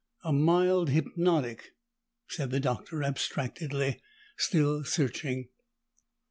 "A mild hypnotic," said the Doctor abstractedly, still searching.